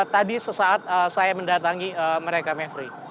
tadi sesaat saya mendatangi mereka mevri